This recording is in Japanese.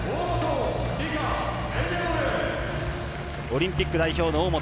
オリンピック代表の大本。